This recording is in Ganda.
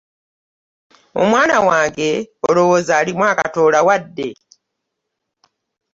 Omwana wange olowooza alimu akatoola wadde!!